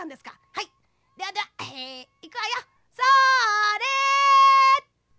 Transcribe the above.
「はいではではえいくわよ。それっと！」。